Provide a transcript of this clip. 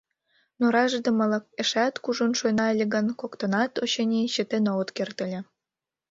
Но рашдымылык эшеат кужун шуйна ыле гын, коктынат, очыни, чытен огыт керт ыле.